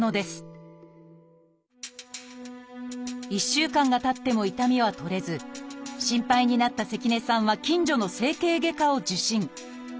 １週間がたっても痛みは取れず心配になった関根さんは近所の整形外科を受診。